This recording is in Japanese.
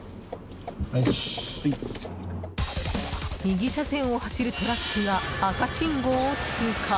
右車線を走るトラックが赤信号を通過。